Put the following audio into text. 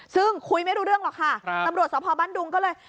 ซึ่งคุยไม่รู้เรื่องหรอกค่ะตำรวจสภบ้านดุงก็เลย